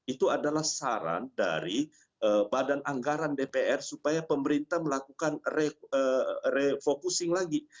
itu adalah saran dari badan anggaran dpr supaya pemerintah melakukan refocusing lagi